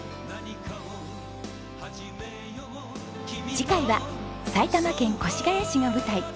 次回は埼玉県越谷市が舞台。